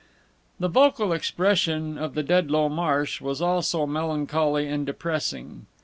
The vocal expression of the Dedlow Marsh was also melancholy and depressing.